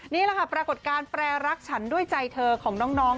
นี่แหละค่ะปรากฏการณ์แปรรักฉันด้วยใจเธอของน้อง